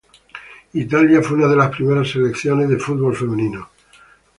Italia fue una de las primeras selección de fútbol femenino.